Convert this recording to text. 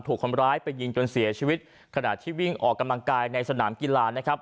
ถูกคนร้ายไปยิงจนเสียชีวิตขณะที่วิ่งออกกำลังกายในสนามกีฬานะครับ